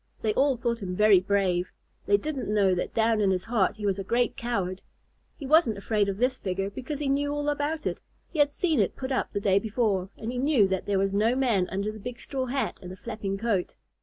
They all thought him very brave. They didn't know that down in his heart he was a great coward. He wasn't afraid of this figure because he knew all about it. He had seen it put up the day before, and he knew that there was no man under the big straw hat and the flapping coat.